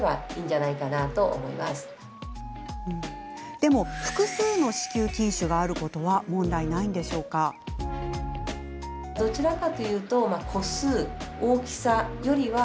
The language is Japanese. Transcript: でも複数の子宮筋腫があることは問題ないんでしょうか？